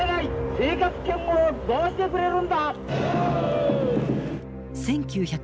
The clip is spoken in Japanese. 生活圏をどうしてくれるんだ！